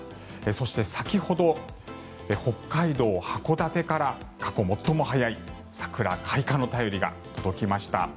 そして先ほど、北海道函館から過去最も早い桜開花の便りが届きました。